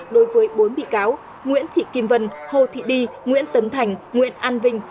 đối với bốn bị cáo nguyễn thị kim vân hồ thị đi nguyễn tấn thành nguyễn an vinh